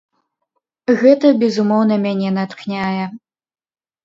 Гэта, безумоўна, мяне натхняе.